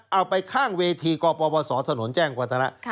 เอาไปข้างเวทีกปศถนนแจ้งวัฒนะ